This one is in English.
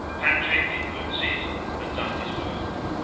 Patrick, in good season, had done his work.